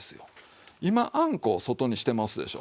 今あんこを外にしてますでしょ。